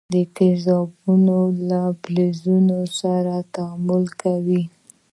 تیزابونه له فلزونو سره تعامل کوي.